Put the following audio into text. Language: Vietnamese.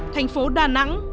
thành phố đà nẵng